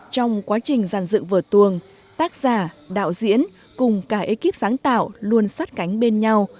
trong quá trình giàn dựng vở tuồng tác giả đạo diễn cùng cả ekip sáng tạo luôn sát cánh bên nhau